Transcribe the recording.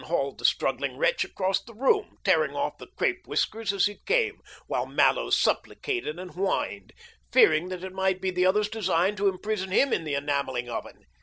He hauled the struggling wretch across the room, tearing off the crepe whiskers as he came, while Mallows supplicated and whined, fearing that it might be the other's design to imprison him in the enamelling oven.